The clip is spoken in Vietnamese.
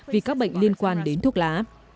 vì các bệnh liên quan đến thuốc lá